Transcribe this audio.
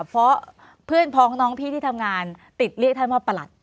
เพราะเพื่อนพ้องน้องพี่ที่ทำงานติดเรียกท่านว่าประหลัด